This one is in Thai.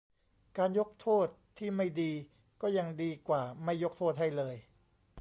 การยกโทษที่ไม่ดีก็ยังดีกว่าไม่ยกโทษให้เลย